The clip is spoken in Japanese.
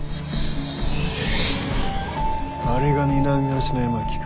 あれが南町の八巻か。